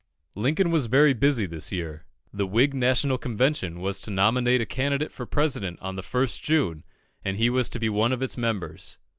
Lincoln was very busy this year. The Whig National Convention was to nominate a candidate for President on the 1st June, and he was to be one of its members.